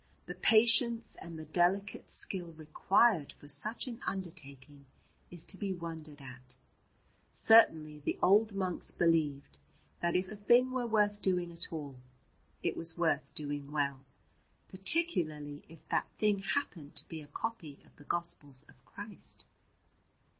The patience and the delicate skill required for such an undertaking is to be wondered at. Certainly the old monks believed that if a thing were worth doing at all it was worth doing well, particularly if that thing happened to be a copy of the Gospels of Christ.